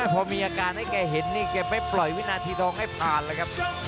พอมีอาการให้แกเห็นนี่แกไม่ปล่อยวินาทีทองให้ผ่านเลยครับ